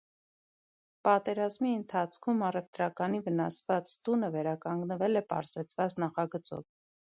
Պատերազմի ընթացքում առևտրականի վնասված տունը վերականգնվել է պարզեցված նախագծով։